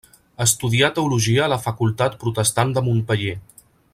Estudià teologia a la Facultat Protestant de Montpeller.